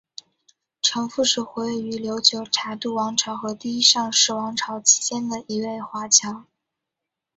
程复是活跃于琉球察度王朝和第一尚氏王朝期间的一位华侨。